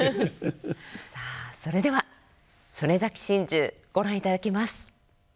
さあそれでは「曾根崎心中」ご覧いただきます。